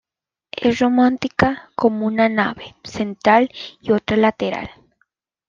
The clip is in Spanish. Es románica, con una nave central y otra lateral.